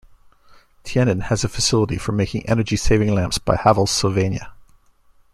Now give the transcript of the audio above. Tienen has a facility for making energy saving lamps by Havells-Sylvania.